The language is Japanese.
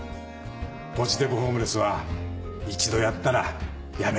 ポジティブホームレスは一度やったらやめられないですよ。